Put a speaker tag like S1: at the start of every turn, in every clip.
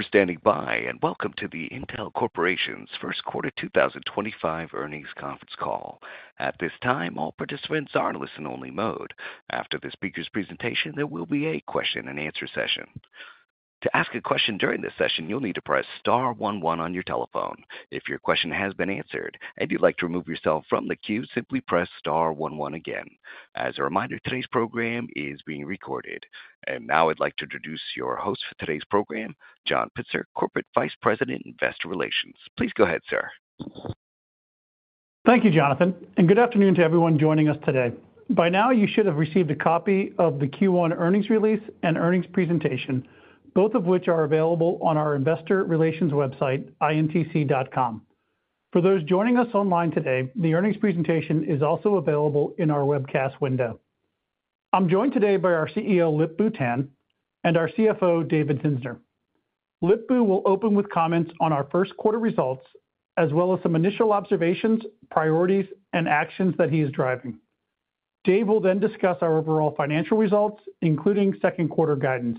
S1: For standing by, and welcome to the Intel Corporation's First Quarter 2025 Earnings Conference Call. At this time, all participants are in listen-only mode. After the speaker's presentation, there will be a question-and-answer session. To ask a question during this session, you'll need to press star one one on your telephone. If your question has been answered and you'd like to remove yourself from the queue, simply press star one one again. As a reminder, today's program is being recorded. And now I'd like to introduce your host for today's program, John Pitzer, Corporate Vice President, Investor Relations. Please go ahead, sir.
S2: Thank you, Jonathan, and good afternoon to everyone joining us today. By now, you should have received a copy of the Q1 Earnings Release and Earnings Presentation, both of which are available on our Investor Relations website, intc.com. For those joining us online today, the earnings presentation is also available in our webcast window. I'm joined today by our CEO, Lip-Bu Tan, and our CFO, David Zinsner. Lip-Bu will open with comments on our first quarter results, as well as some initial observations, priorities, and actions that he is driving. Dave will then discuss our overall financial results, including second quarter guidance.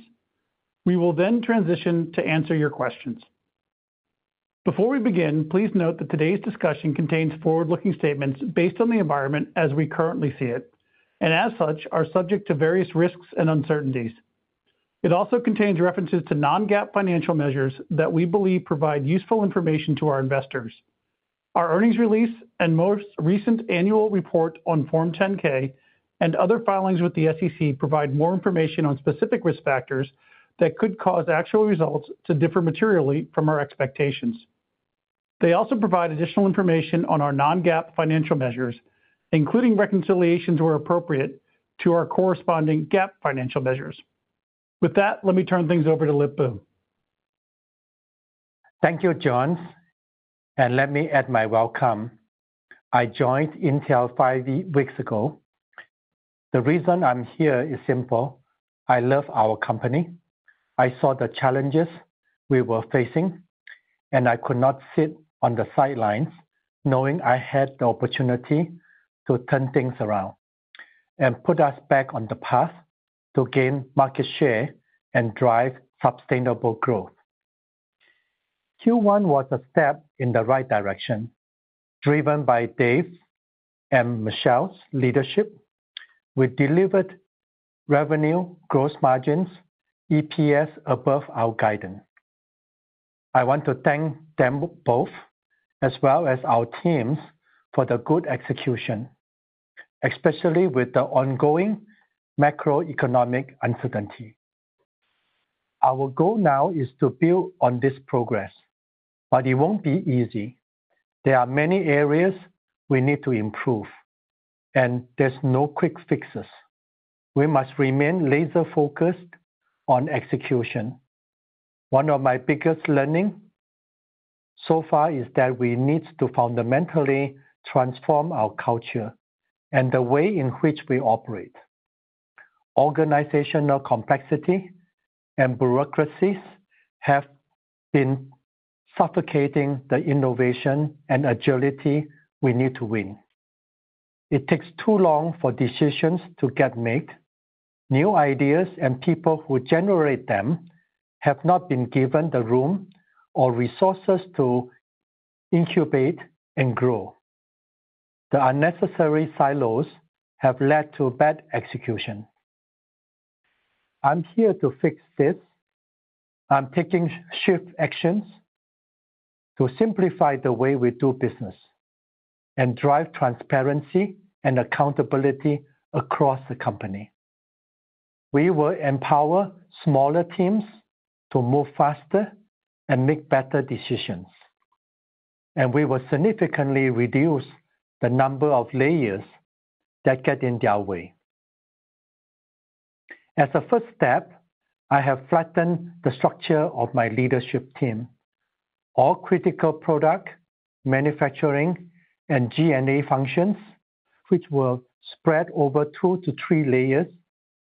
S2: We will then transition to answer your questions. Before we begin, please note that today's discussion contains forward-looking statements based on the environment as we currently see it, and as such, are subject to various risks and uncertainties. It also contains references to non-GAAP financial measures that we believe provide useful information to our investors. Our earnings release and most recent annual report on Form 10-K and other filings with the SEC provide more information on specific risk factors that could cause actual results to differ materially from our expectations. They also provide additional information on our non-GAAP financial measures, including reconciliations where appropriate, to our corresponding GAAP financial measures. With that, let me turn things over to Lip-Bu.
S3: Thank you, John, and let me add my welcome. I joined Intel five weeks ago. The reason I'm here is simple: I love our company. I saw the challenges we were facing, and I could not sit on the sidelines knowing I had the opportunity to turn things around and put us back on the path to gain market share and drive sustainable growth. Q1 was a step in the right direction. Driven by Dave and Michelle's leadership, we delivered revenue, gross margins, and EPS above our guidance. I want to thank them both, as well as our teams, for the good execution, especially with the ongoing macroeconomic uncertainty. Our goal now is to build on this progress, but it won't be easy. There are many areas we need to improve, and there's no quick fixes. We must remain laser-focused on execution. One of my biggest learnings so far is that we need to fundamentally transform our culture and the way in which we operate. Organizational complexity and bureaucracies have been suffocating the innovation and agility we need to win. It takes too long for decisions to get made. New ideas and people who generate them have not been given the room or resources to incubate and grow. The unnecessary silos have led to bad execution. I'm here to fix this. I'm taking swift actions to simplify the way we do business and drive transparency and accountability across the company. We will empower smaller teams to move faster and make better decisions, and we will significantly reduce the number of layers that get in their way. As a first step, I have flattened the structure of my leadership team. All critical product, manufacturing, and G&A functions, which were spread over two to three layers,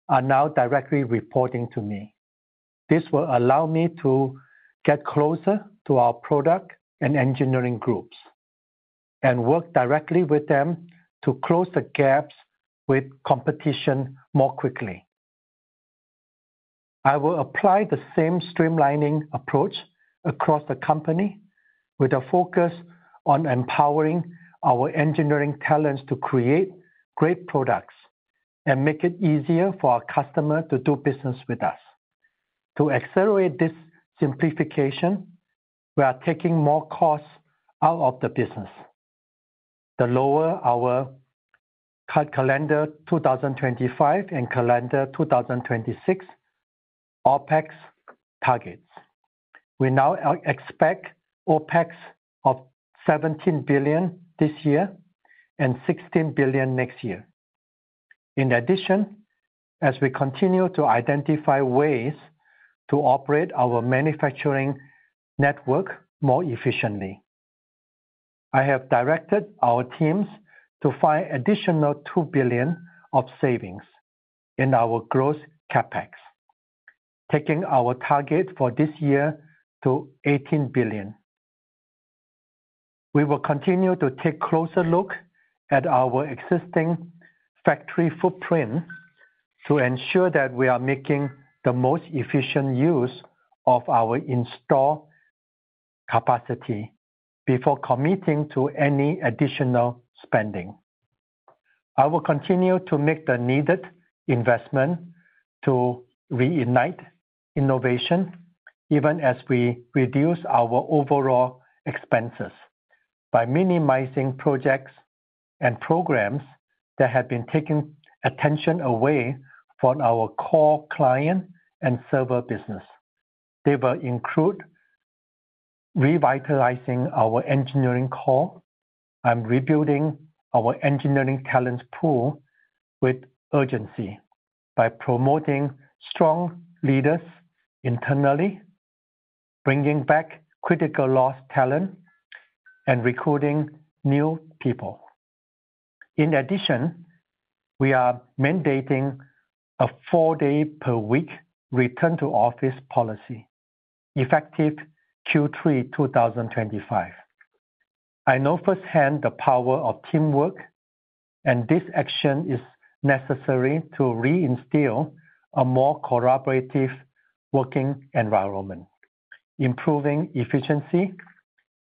S3: are now directly reporting to me. This will allow me to get closer to our product and engineering groups and work directly with them to close the gaps with competition more quickly. I will apply the same streamlining approach across the company with a focus on empowering our engineering talents to create great products and make it easier for our customers to do business with us. To accelerate this simplification, we are taking more costs out of the business. To lower our calendar 2025 and calendar 2026 OpEx targets. We now expect OpEx of $17 billion this year and $16 billion next year. In addition, as we continue to identify ways to operate our manufacturing network more efficiently, I have directed our teams to find an additional $2 billion of savings in our gross CapEx, taking our target for this year to $18 billion. We will continue to take a closer look at our existing factory footprint to ensure that we are making the most efficient use of our installed capacity before committing to any additional spending. I will continue to make the needed investment to reignite innovation even as we reduce our overall expenses by minimizing projects and programs that have been taking attention away from our core client and server business. They will include revitalizing our engineering core. I'm rebuilding our engineering talent pool with urgency by promoting strong leaders internally, bringing back critical lost talent, and recruiting new people. In addition, we are mandating a four-day-per-week return-to-office policy, effective Q3 2025. I know firsthand the power of teamwork, and this action is necessary to reinstill a more collaborative working environment, improving efficiency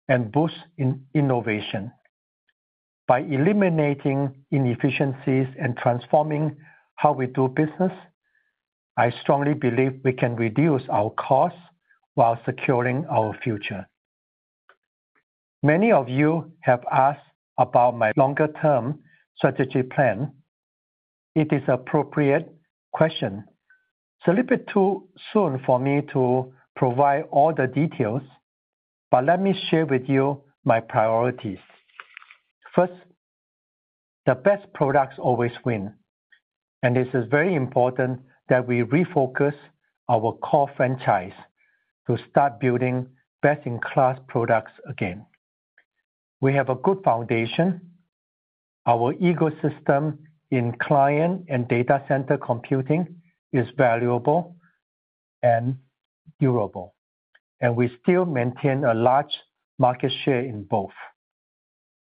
S3: and boosting innovation. By eliminating inefficiencies and transforming how we do business, I strongly believe we can reduce our costs while securing our future. Many of you have asked about my longer-term strategy plan. It is an appropriate question. It's a little bit too soon for me to provide all the details, but let me share with you my priorities. First, the best products always win, and it is very important that we refocus our core franchise to start building best-in-class products again. We have a good foundation. Our ecosystem in client and data center computing is valuable and durable, and we still maintain a large market share in both.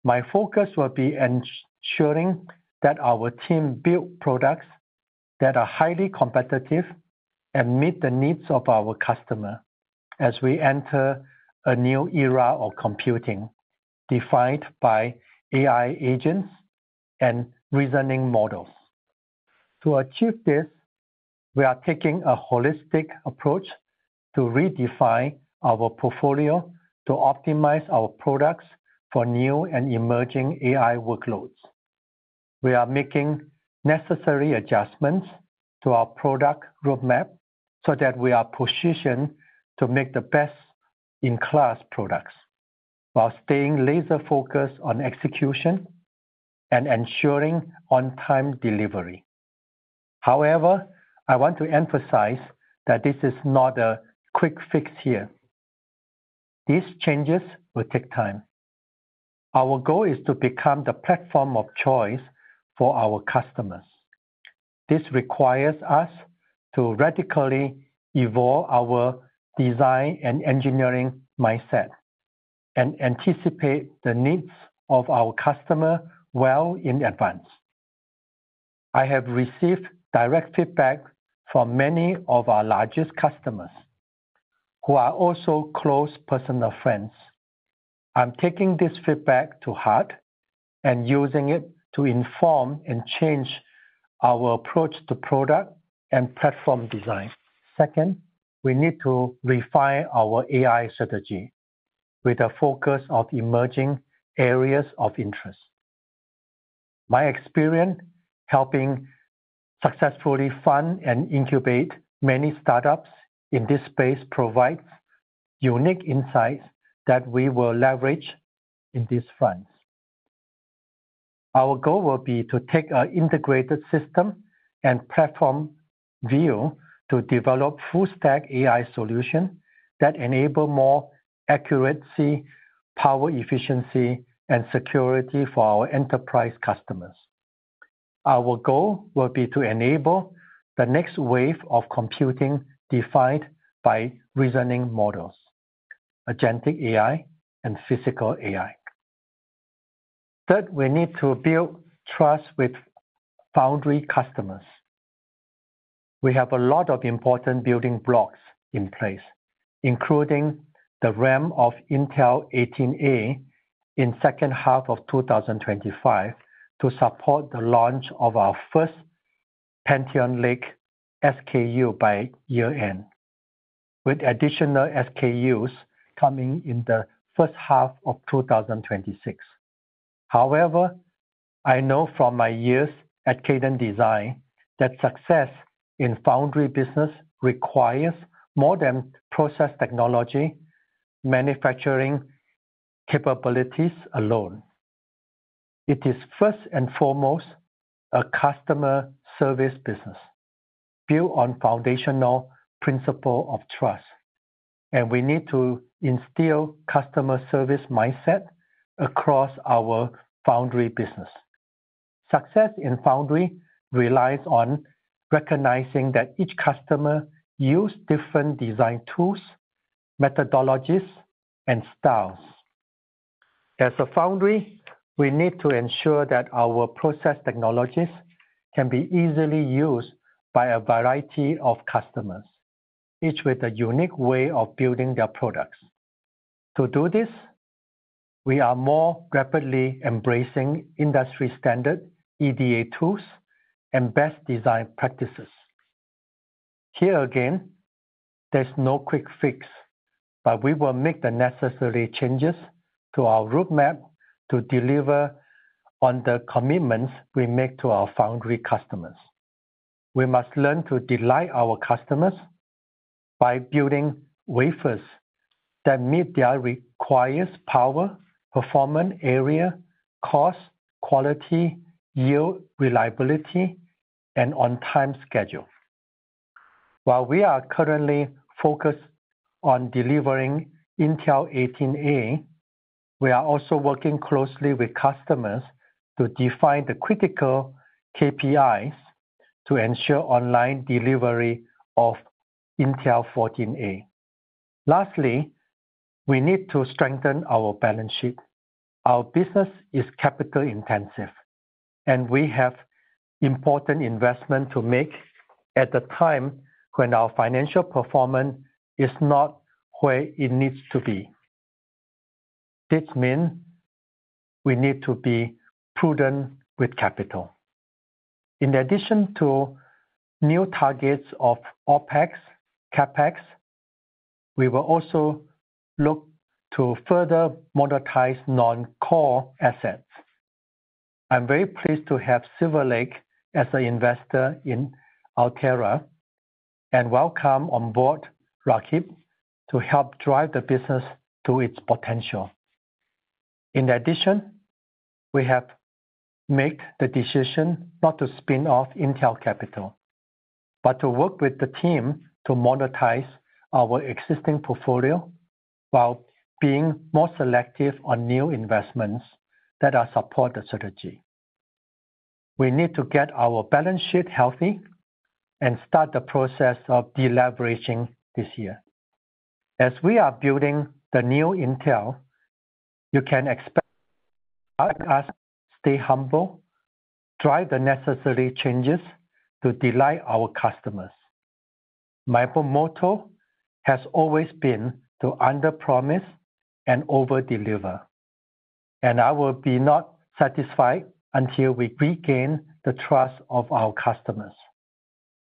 S3: My focus will be ensuring that our team builds products that are highly competitive and meet the needs of our customers as we enter a new era of computing defined by AI agents and reasoning models. To achieve this, we are taking a holistic approach to redefine our portfolio to optimize our products for new and emerging AI workloads. We are making necessary adjustments to our product roadmap so that we are positioned to make the best-in-class products while staying laser-focused on execution and ensuring on-time delivery. However, I want to emphasize that this is not a quick fix here. These changes will take time. Our goal is to become the platform of choice for our customers. This requires us to radically evolve our design and engineering mindset and anticipate the needs of our customers well in advance. I have received direct feedback from many of our largest customers who are also close personal friends. I'm taking this feedback to heart and using it to inform and change our approach to product and platform design. Second, we need to refine our AI strategy with a focus on emerging areas of interest. My experience helping successfully fund and incubate many startups in this space provides unique insights that we will leverage in these funds. Our goal will be to take an integrated system and platform view to develop full-stack AI solutions that enable more accuracy, power efficiency, and security for our enterprise customers. Our goal will be to enable the next wave of computing defined by reasoning models, agentic AI, and physical AI. Third, we need to build trust with foundry customers. We have a lot of important building blocks in place, including the ramp of Intel 18A in the second half of 2025 to support the launch of our first Panther Lake SKU by year-end, with additional SKUs coming in the first half of 2026. However, I know from my years at Cadence Design that success in foundry business requires more than process technology manufacturing capabilities alone. It is first and foremost a customer service business built on a foundational principle of trust, and we need to instill a customer service mindset across our foundry business. Success in foundry relies on recognizing that each customer uses different design tools, methodologies, and styles. As a foundry, we need to ensure that our process technologies can be easily used by a variety of customers, each with a unique way of building their products. To do this, we are more rapidly embracing industry-standard EDA tools and best design practices. Here again, there's no quick fix, but we will make the necessary changes to our roadmap to deliver on the commitments we make to our foundry customers. We must learn to delight our customers by building wafers that meet their required power, performance area, cost, quality, yield, reliability, and on-time schedule. While we are currently focused on delivering Intel 18A, we are also working closely with customers to define the critical KPIs to ensure online delivery of Intel 14A. Lastly, we need to strengthen our balance sheet. Our business is capital-intensive, and we have important investments to make at a time when our financial performance is not where it needs to be. This means we need to be prudent with capital. In addition to new targets of OpEx, CapEx, we will also look to further monetize non-core assets. I'm very pleased to have Silver Lake as an investor in Altera and welcome on board Raghib to help drive the business to its potential. In addition, we have made the decision not to spin off Intel Capital, but to work with the team to monetize our existing portfolio while being more selective on new investments that support the strategy. We need to get our balance sheet healthy and start the process of deleveraging this year. As we are building the new Intel, you can expect us to stay humble, drive the necessary changes to delight our customers. My promotion has always been to underpromise and overdeliver, and I will be not satisfied until we regain the trust of our customers,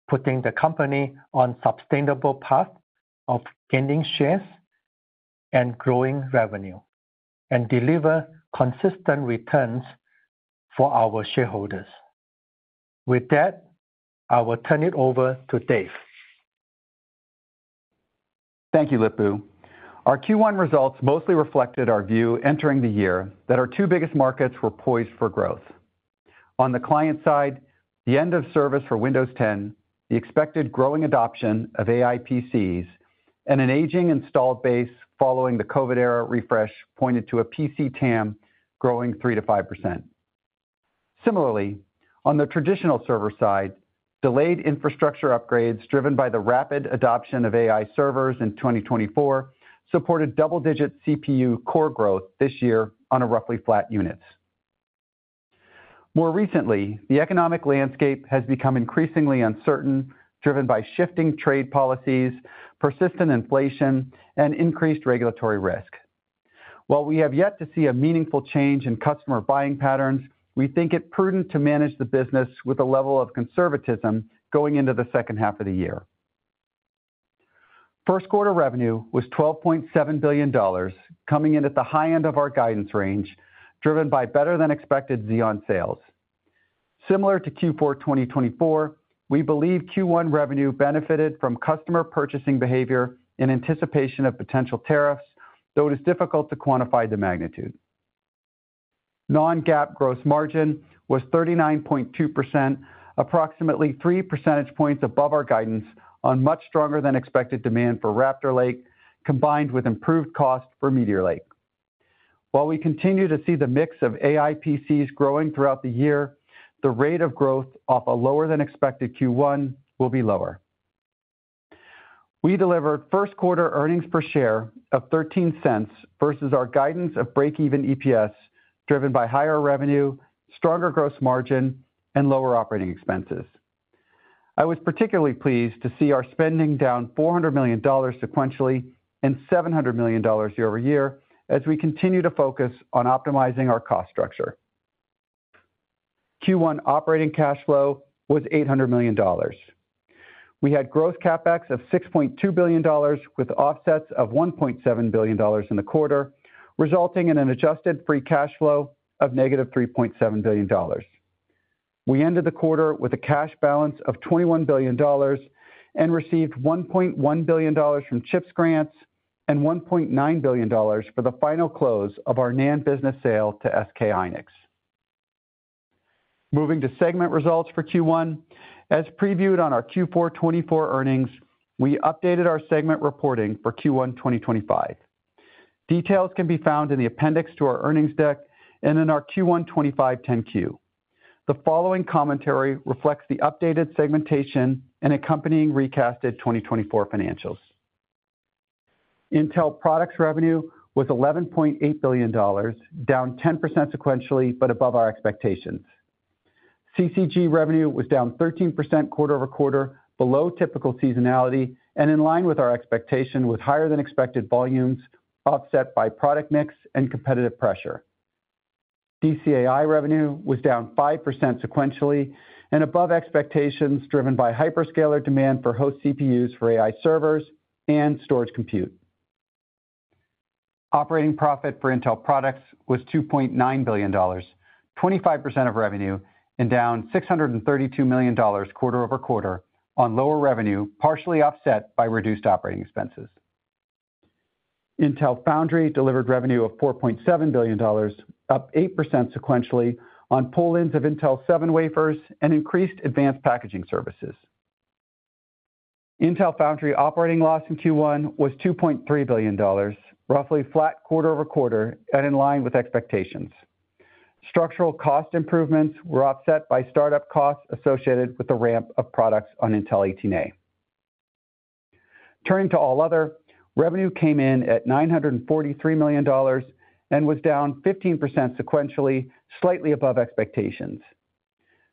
S3: putting the company on a sustainable path of gaining shares and growing revenue, and deliver consistent returns for our shareholders. With that, I will turn it over to Dave.
S4: Thank you, Lip-Bu. Our Q1 results mostly reflected our view entering the year that our two biggest markets were poised for growth. On the client side, the end of service for Windows 10, the expected growing adoption of AI PCs, and an aging installed base following the COVID-era refresh pointed to a PC TAM growing 3%-5%. Similarly, on the traditional server side, delayed infrastructure upgrades driven by the rapid adoption of AI servers in 2024 supported double-digit CPU core growth this year on a roughly flat units. More recently, the economic landscape has become increasingly uncertain, driven by shifting trade policies, persistent inflation, and increased regulatory risk. While we have yet to see a meaningful change in customer buying patterns, we think it's prudent to manage the business with a level of conservatism going into the second half of the year. First-quarter revenue was $12.7 billion, coming in at the high end of our guidance range, driven by better-than-expected Xeon sales. Similar to Q4 2024, we believe Q1 revenue benefited from customer purchasing behavior in anticipation of potential tariffs, though it is difficult to quantify the magnitude. Non-GAAP gross margin was 39.2%, approximately three percentage points above our guidance on much stronger-than-expected demand for Raptor Lake, combined with improved costs for Meteor Lake. While we continue to see the mix of AI PCs growing throughout the year, the rate of growth off a lower-than-expected Q1 will be lower. We delivered first-quarter earnings per share of $0.13 versus our guidance of break-even EPS, driven by higher revenue, stronger gross margin, and lower operating expenses. I was particularly pleased to see our spending down $400 million sequentially and $700 million year-over-year as we continue to focus on optimizing our cost structure. Q1 operating cash flow was $800 million. We had gross CapEx of $6.2 billion, with offsets of $1.7 billion in the quarter, resulting in an adjusted free cash flow of negative $3.7 billion. We ended the quarter with a cash balance of $21 billion and received $1.1 billion from CHIPS grants and $1.9 billion for the final close of our NAND business sale to SK hynix. Moving to segment results for Q1, as previewed on our Q4 2024 Earnings, we updated our segment reporting for Q1 2025. Details can be found in the appendix to our earnings deck and in our Q1 2025 10-Q. The following commentary reflects the updated segmentation and accompanying recasted 2024 financials. Intel products revenue was $11.8 billion, down 10% sequentially, but above our expectations. CCG revenue was down 13% quarter-over-quarter, below typical seasonality and in line with our expectation, with higher-than-expected volumes offset by product mix and competitive pressure. DCAI revenue was down 5% sequentially and above expectations, driven by hyperscaler demand for host CPUs for AI servers and storage compute. Operating profit for Intel products was $2.9 billion, 25% of revenue, and down $632 million quarter-over-quarter on lower revenue, partially offset by reduced operating expenses. Intel Foundry delivered revenue of $4.7 billion, up 8% sequentially on pull-ins of Intel 7 wafers and increased advanced packaging services. Intel Foundry operating loss in Q1 was $2.3 billion, roughly flat quarter-over-quarter and in line with expectations. Structural cost improvements were offset by startup costs associated with the ramp of products on Intel 18A. Turning to All Other, revenue came in at $943 million and was down 15% sequentially, slightly above expectations.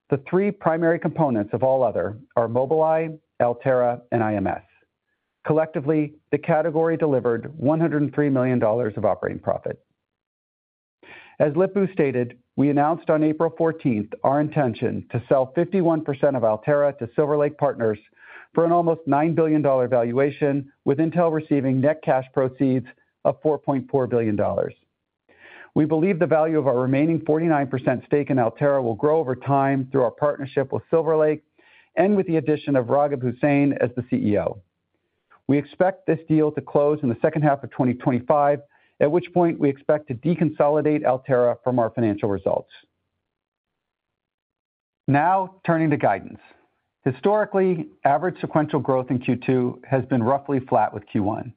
S4: The three primary components of All Other are Mobileye, Altera, and IMS. Collectively, the category delivered $103 million of operating profit. As Lip-Bu stated, we announced on April 14 our intention to sell 51% of Altera to Silver Lake Partners for an almost $9 billion valuation, with Intel receiving net cash proceeds of $4.4 billion. We believe the value of our remaining 49% stake in Altera will grow over time through our partnership with Silver Lake and with the addition of Raghib Hussain as the CEO. We expect this deal to close in the second half of 2025, at which point we expect to deconsolidate Altera from our financial results. Now, turning to guidance. Historically, average sequential growth in Q2 has been roughly flat with Q1.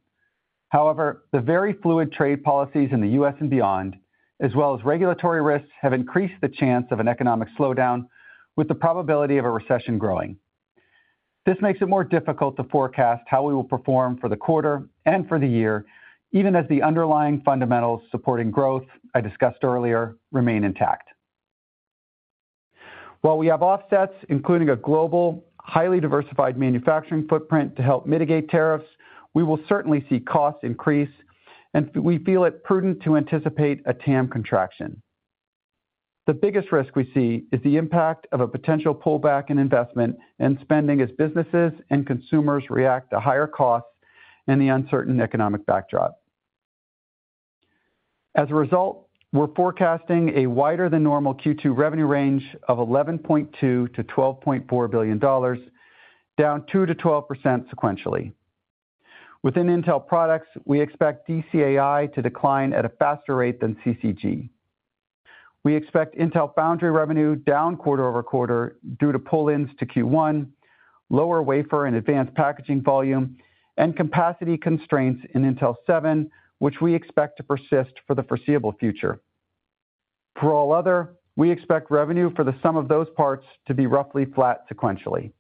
S4: However, the very fluid trade policies in the U.S. and beyond, as well as regulatory risks, have increased the chance of an economic slowdown, with the probability of a recession growing. This makes it more difficult to forecast how we will perform for the quarter and for the year, even as the underlying fundamentals supporting growth I discussed earlier remain intact. While we have offsets, including a global, highly diversified manufacturing footprint to help mitigate tariffs, we will certainly see costs increase, and we feel it prudent to anticipate a TAM contraction. The biggest risk we see is the impact of a potential pullback in investment and spending as businesses and consumers react to higher costs and the uncertain economic backdrop. As a result, we're forecasting a wider-than-normal Q2 revenue range of $11.2 billion to $12.4 billion, down 2% to 12% sequentially. Within Intel Products, we expect DCAI to decline at a faster rate than CCG. We expect Intel Foundry revenue down quarter-over-quarter due to pull-ins to Q1, lower wafer and advanced packaging volume, and capacity constraints in Intel 7, which we expect to persist for the foreseeable future. For All Other, we expect revenue for the sum of those parts to be roughly flat sequentially.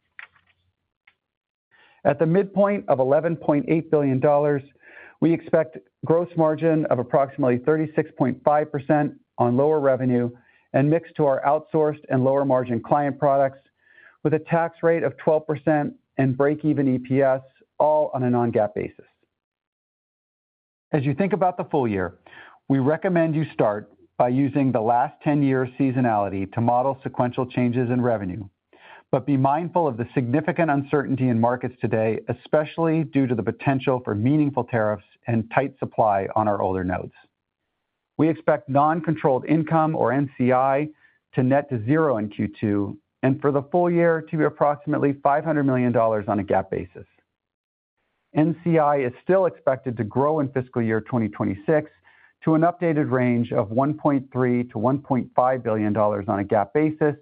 S4: At the midpoint of $11.8 billion, we expect gross margin of approximately 36.5% on lower revenue and mix to our outsourced and lower-margin client products, with a tax rate of 12% and break-even EPS, all on a non-GAAP basis. As you think about the full year, we recommend you start by using the last 10 years' seasonality to model sequential changes in revenue, but be mindful of the significant uncertainty in markets today, especially due to the potential for meaningful tariffs and tight supply on our older nodes. We expect non-controlled income, or NCI, to net to zero in Q2 and for the full year to be approximately $500 million on a GAAP basis. NCI is still expected to grow in fiscal year 2026 to an updated range of $1.3 billion to $1.5 billion on a GAAP basis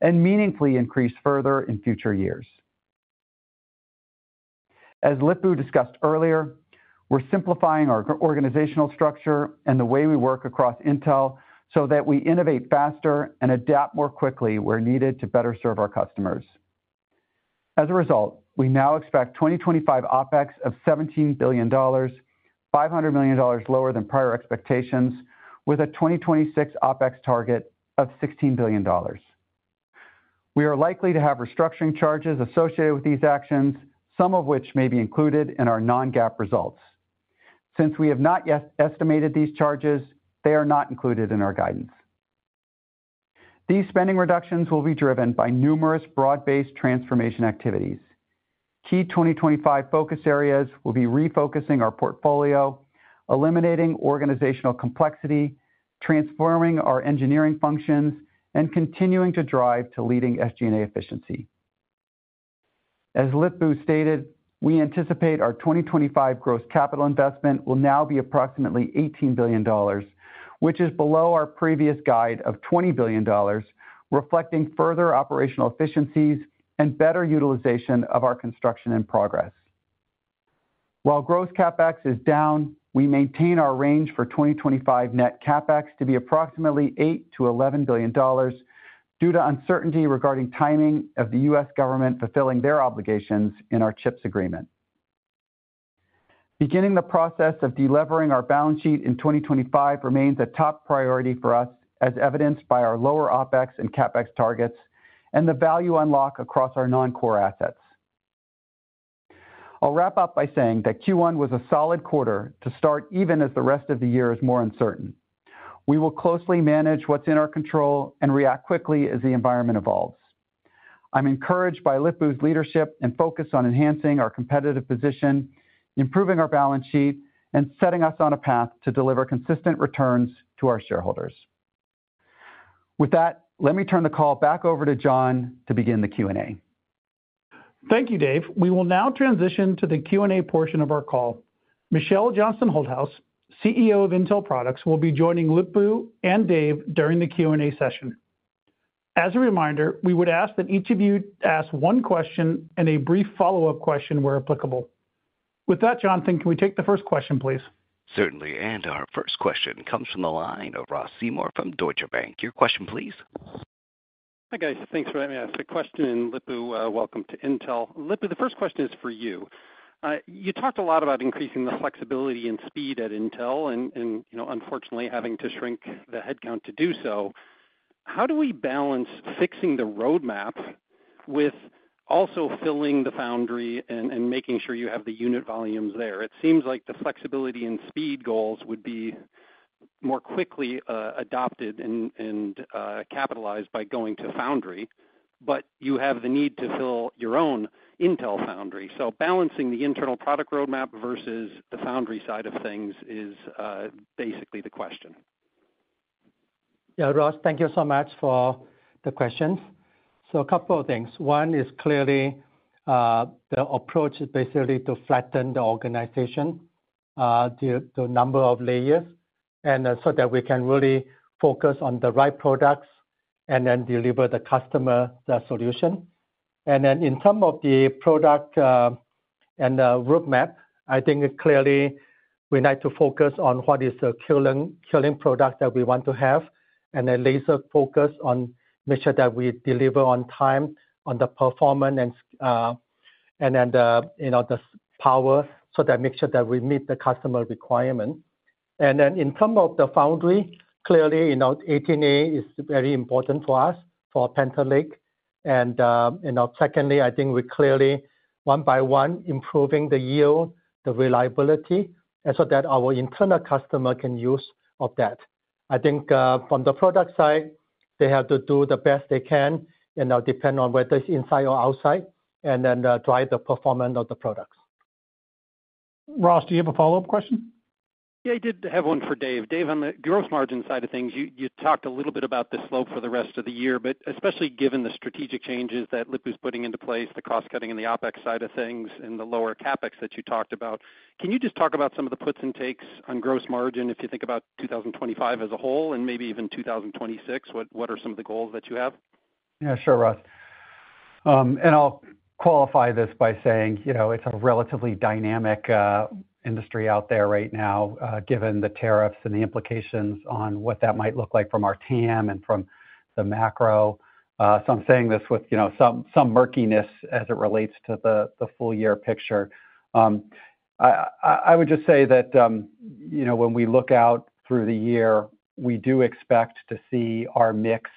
S4: and meaningfully increase further in future years. As Lip-Bu discussed earlier, we're simplifying our organizational structure and the way we work across Intel so that we innovate faster and adapt more quickly where needed to better serve our customers. As a result, we now expect 2025 OpEx of $17 billion, $500 million lower than prior expectations, with a 2026 OpEx target of $16 billion. We are likely to have restructuring charges associated with these actions, some of which may be included in our non-GAAP results. Since we have not yet estimated these charges, they are not included in our guidance. These spending reductions will be driven by numerous broad-based transformation activities. Key 2025 focus areas will be refocusing our portfolio, eliminating organizational complexity, transforming our engineering function, and continuing to drive to leading SG&A efficiency. As Lip-Bu stated, we anticipate our 2025 gross capital investment will now be approximately $18 billion, which is below our previous guide of $20 billion, reflecting further operational efficiencies and better utilization of our construction in progress. While gross CapEx is down, we maintain our range for 2025 net CapEx to be approximately $8 to $11 billion due to uncertainty regarding timing of the U.S. government fulfilling their obligations in our CHIPS agreement. Beginning the process of delivering our balance sheet in 2025 remains a top priority for us, as evidenced by our lower OpEx and CapEx targets and the value unlock across our non-core assets. I'll wrap up by saying that Q1 was a solid quarter to start, even as the rest of the year is more uncertain. We will closely manage what's in our control and react quickly as the environment evolves. I'm encouraged by Lip-Bu's leadership and focus on enhancing our competitive position, improving our balance sheet, and setting us on a path to deliver consistent returns to our shareholders. With that, let me turn the call back over to John to begin the Q&A.
S2: Thank you, Dave. We will now transition to the Q&A portion of our call. Michelle Johnston Holthaus, CEO of Intel Products, will be joining Lip-Bu and Dave during the Q&A session. As a reminder, we would ask that each of you ask one question and a brief follow-up question where applicable. With that, John, can we take the first question, please?
S1: Certainly, and our first question comes from the line of Ross Seymore from Deutsche Bank. Your question, please.
S5: Hi, guys. Thanks for letting me ask the question. Lip-Bu, welcome to Intel. Lip-Bu, the first question is for you. You talked a lot about increasing the flexibility and speed at Intel and, unfortunately, having to shrink the headcount to do so. How do we balance fixing the roadmap with also filling the foundry and making sure you have the unit volumes there? It seems like the flexibility and speed goals would be more quickly adopted and capitalized by going to foundry, but you have the need to fill your own Intel foundry. So balancing the internal product roadmap versus the foundry side of things is basically the question.
S3: Yeah, Ross, thank you so much for the question. A couple of things. One is clearly the approach is basically to flatten the organization, the number of layers, so that we can really focus on the right products and then deliver the customer the solution. And then in terms of the product and the roadmap, I think clearly we need to focus on what is the killing product that we want to have and then laser focus on make sure that we deliver on time on the performance and the power so that make sure that we meet the customer requirement. And then in terms of the foundry, clearly 18A is very important for us, for Panther Lake. And uhm secondly, I think we're clearly one by one improving the yield, the reliability, so that our internal customer can use of that. I think from the product side, they have to do the best they can and depend on whether it's inside or outside and then drive the performance of the products.
S2: Ross, do you have a follow-up question?
S5: Yeah, I did have one for Dave. Dave, on the gross margin side of things, you talked a little bit about the slope for the rest of the year, but especially given the strategic changes that Lip-Bu's putting into place, the cost cutting in the OpEx side of things, and the lower CapEx that you talked about. Can you just talk about some of the puts and takes on gross margin if you think about 2025 as a whole and maybe even 2026? What are some of the goals that you have?
S4: Yeah, sure, Ross. Uhm and I'll qualify this by saying you know it's a relatively dynamic industry out there right now, ah given the tariffs and the implications on what that might look like from our TAM and from the macro. Uh some saying this with you know some murkiness as it relates to the full year picture. I would just say that um you know when we look out through the year, we do expect to see our mix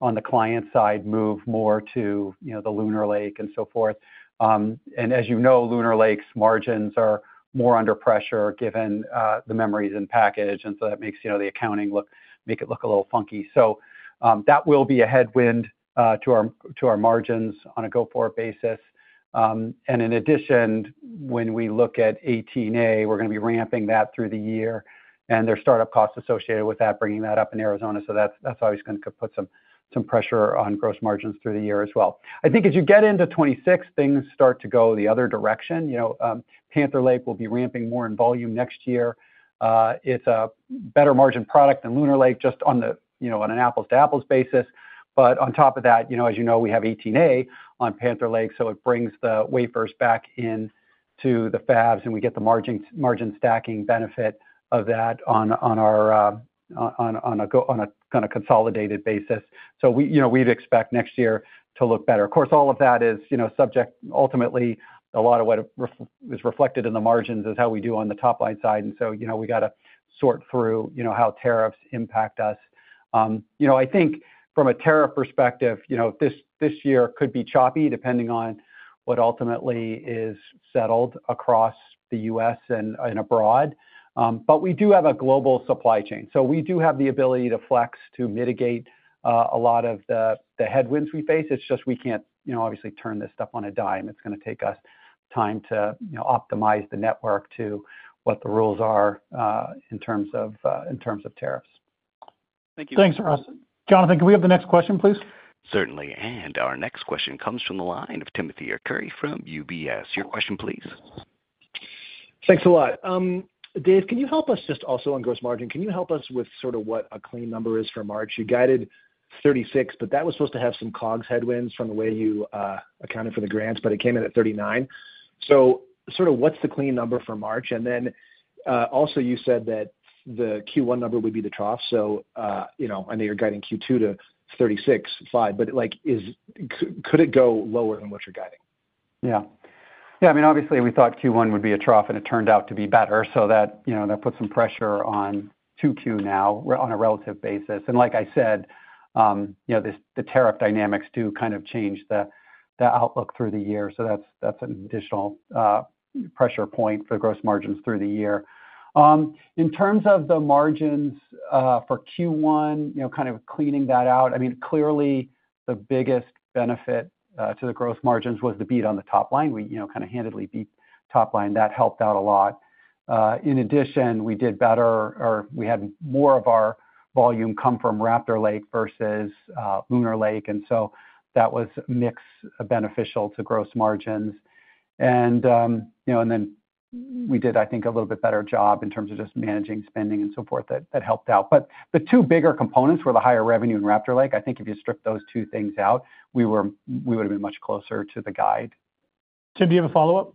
S4: on the client side move more to the Lunar Lake and so forth. As you know, Lunar Lake's margins are more under pressure given the memories and package, and that makes the accounting look a little funky. So that will be a headwind to our margins on a go-forward basis. Uhm and in addition, when we look at 18A, we're going to be ramping that through the year and there are startup costs associated with that, bringing that up in Arizona. So that's always going to put some pressure on gross margins through the year as well. I think as you get into 2026, things start to go the other direction. You know um Panther Lake will be ramping more in volume next year. It's a better margin product than Lunar Lake just on you know an apples-to-apples basis. On top of that, as you know, we have 18A on Panther Lake, so it brings the wafers back into the fabs and we get the margin stacking benefit of that on our ah a kind of consolidated basis. So you know we'd expect next year to look better. Of course, all of that is subject. Ultimately, a lot of what is reflected in the margins is how we do on the top line side. So you know we have to sort through you know how tariffs impact us. I think from a tariff perspective, this year could be choppy depending on what ultimately is settled across the U.S. and abroad. We do have a global supply chain. So we do have the ability to flex to mitigate uh a lot of the headwinds we face. It's just we can't you know obviously turn this stuff on a dime. It's going to take us time to optimize the network to what the rules are ah in terms of ah in terms of tariffs.
S5: Thank you.
S2: Thanks, Ross. Jonathan, can we have the next question, please?
S1: Certainly. Our next question comes from the line of Timothy Arcuri from UBS. Your question, please.
S6: Thanks a lot. Uhm Dave, can you help us just also on gross margin? Can you help us with sort of what a clean number is for March? You guided 36%, but that was supposed to have some COGS headwinds from the way you accounted for the grants, but it came in at 39%. So sort of what's the clean number for March? And then ah also you said that the Q1 number would be the trough. So ah you know I know you're guiding Q2 to 36, 5, but could it go lower than what you're guiding?
S4: Yeah. Yeah, I mean, obviously, we thought Q1 would be a trough and it turned out to be better. So that puts some pressure on Q2 now on a relative basis. And like I said, the tariff dynamics do kind of change the outlook through the year. So that's an additional ah pressure point for the gross margins through the year. Uhm in terms of the margins ah for Q1, you know kind of cleaning that out, I mean, clearly the biggest benefit ah to the gross margins was the beat on the top line. We kind of handedly beat top line. That helped out a lot. In addition, we did better or we had more of our volume come from Raptor Lake versus Lunar Lake. And so that was mixed beneficial to gross margins. And then we did, I think, a little bit better job in terms of just managing spending and so forth that helped out. The two bigger components were the higher revenue and Raptor Lake. I think if you strip those two things out, we would have been much closer to the guide.
S2: Tim, do you have a follow-up?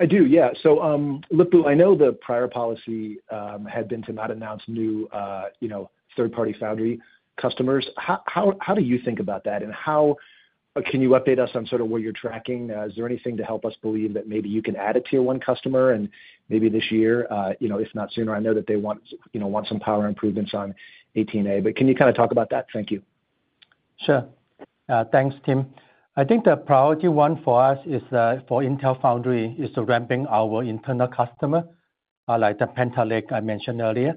S6: I do, yeah. So Lip-Bu, I know the prior policy uhm had been to not announce new ah you know third-party foundry customers. How do you think about that? Can you update us on sort of what you're tracking? Is there anything to help us believe that maybe you can add a tier one customer and maybe this year, ah if not sooner? I know that they want some power improvements on 18A. But can you kind of talk about that? Thank you.
S3: Sure. Thanks, Tim. I think the priority one for us is for Intel Foundry is ramping our internal customer, like the Panther Lake I mentioned earlier.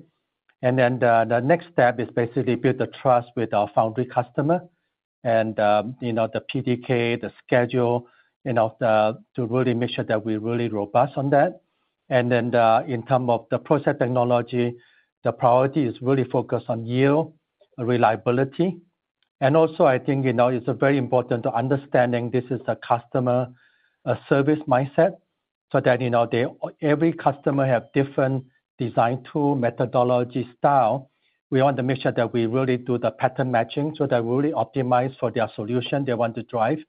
S3: And then next step is basically build the trust with our foundry customer and the PDK, the schedule, you know to really make sure that we're really robust on that. In terms of the process technology, the priority is really focused on yield, reliability. And also, I think it's very important to understand this is a customer service mindset so that every customer has different design tool, methodology, style. We want to make sure that we really do the pattern matching so that we really optimize for their solution they want to drive.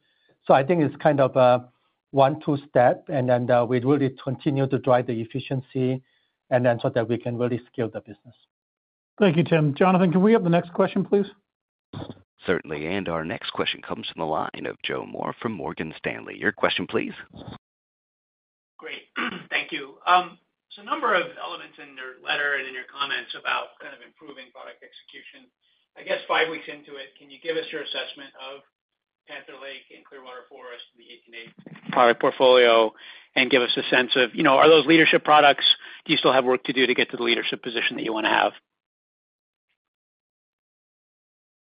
S3: I think it's kind of a one-two step, and then we really continue to drive the efficiency and then so that we can really scale the business.
S2: Thank you, Tim.
S1: Jonathan, can we have the next question, please? Certainly. Our next question comes from the line of Joe Moore from Morgan Stanley. Your question, please.
S7: Great. Thank you. A number of elements in your letter and in your comments about kind of improving product execution. I guess five weeks into it, can you give us your assessment of Panther Lake and Clearwater Forest in the 18A product portfolio and give us a sense of you know, are those leadership products? Do you still have work to do to get to the leadership position that you want to have?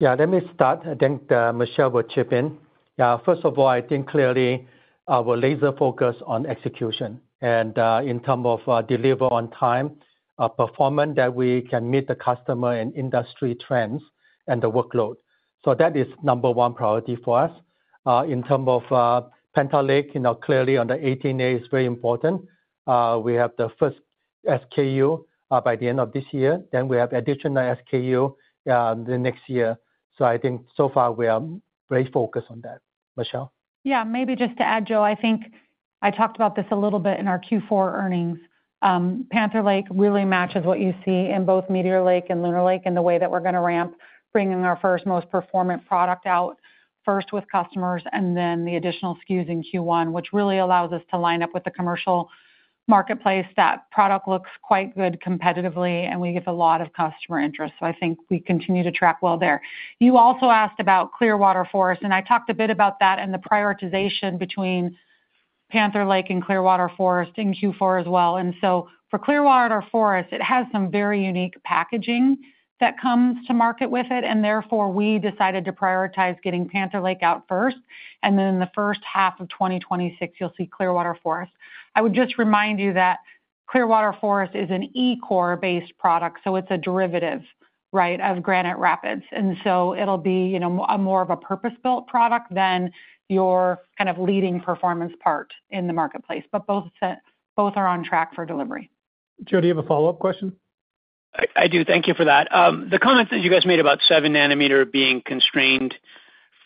S3: Yeah, let me start. I think Michelle will chip in. First of all, I think clearly our laser focus on execution and in terms of deliver on time, performance that we can meet the customer and industry trends and the workload. So that is number one priority for us. In terms of Panther Lake, clearly on the 18A is very important. We have the first SKU by the end of this year. Then we have additional SKU the next year. I think so far we are very focused on that, Michelle.
S8: Yeah, maybe just to add, Joe, I think I talked about this a little bit in our Q4 earnings. Ahm Panther Lake really matches what you see in both Meteor Lake and Lunar Lake and the way that we're going to ramp, bringing our first most performant product out first with customers and then the additional SKUs in Q1, which really allows us to line up with the commercial marketplace. That product looks quite good competitively, and we get a lot of customer interest. I think we continue to track well there. You also asked about Clearwater Forest, and I talked a bit about that and the prioritization between Panther Lake and Clearwater Forest in Q4 as well. And so for Clearwater Forest, it has some very unique packaging that comes to market with it. Therefore, we decided to prioritize getting Panther Lake out first. And then in the first half of 2026, you'll see Clearwater Forest. I would just remind you that Clearwater Forest is an E-core-based product. It is a derivative, right, of Granite Rapids. And so it will be more of a purpose-built product than your kind of leading performance part in the marketplace. But both are on track for delivery.
S2: Joe, do you have a follow-up question?
S7: I do. Thank you for that. The comments that you guys made about 7 nm being constrained